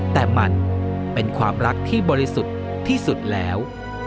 แต่มันเป็นความรักที่บริสุทธิ์ที่สุดแล้ว